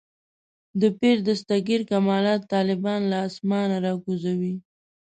د پیر دستګیر کمالات طالبان له اسمانه راکوزوي.